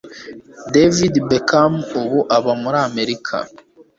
David Beckham ubu aba muri Amerika.